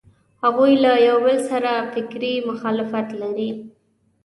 هغوی له یوبل سره فکري مخالفت لري.